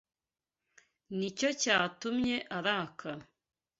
Nicyo cyatumye arakara.